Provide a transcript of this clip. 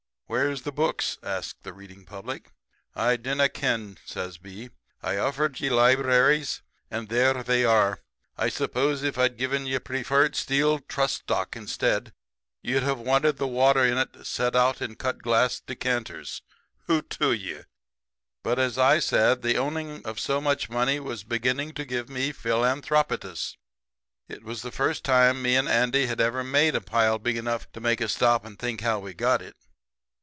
"'Where's the books?' asks the reading public. "'I dinna ken,' says B. 'I offered ye libraries; and there they are. I suppose if I'd given ye preferred steel trust stock instead ye'd have wanted the water in it set out in cut glass decanters. Hoot, for ye!' "But, as I said, the owning of so much money was beginning to give me philanthropitis. It was the first time me and Andy had ever made a pile big enough to make us stop and think how we got it.